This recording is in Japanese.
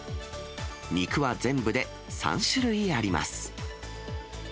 肉は全部で３種類あります。